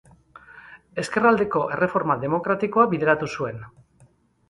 Ezkerraldeko erreforma demokratikoa bideratu zuen.